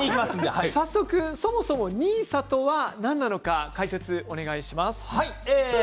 そもそもＮＩＳＡとは何か解説をお願いします。